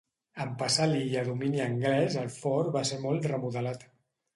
En passar l'illa a domini anglès el fort va ser molt remodelat.